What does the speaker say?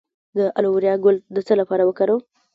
د الوویرا ګل د څه لپاره وکاروم؟